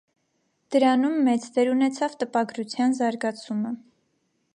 Դրանում մեծ դեր ունեցավ տպագրության զարգացումը։